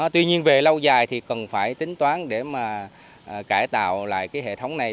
tuy nhiên về lâu dài thì cần phải tính toán để mà cải tạo lại cái hệ thống này